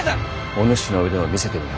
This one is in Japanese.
お主の腕を見せてみよ。